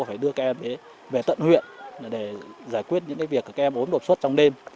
phải đưa các em về tận huyện để giải quyết những việc các em ốm đột xuất trong đêm